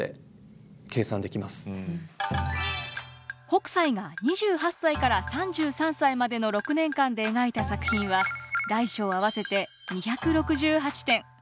北斎が２８歳から３３歳までの６年間で描いた作品は大小合わせて２６８点。